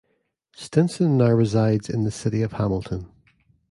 Stinson now resides in the city of Hamilton.